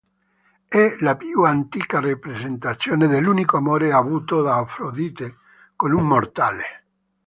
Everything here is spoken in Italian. È la più antica rappresentazione dell’unico amore avuto da Afrodite con un mortale.